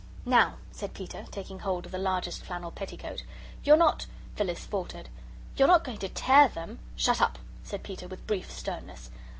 "Now," said Peter, taking hold of the largest flannel petticoat. "You're not" Phyllis faltered "you're not going to TEAR them?" "Shut up," said Peter, with brief sternness.